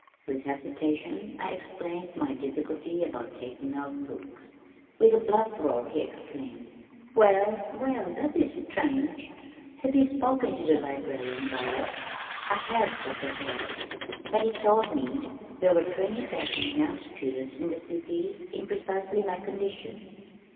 With hesitation I explained my difficulty about taking out books. With a bluff roar he exclaimed, "Well, well! That is strange! Have you spoken to the Librarian about it?" "I have, Dr. Hale, but he told me there were twenty thousand young students in the city in precisely my condition.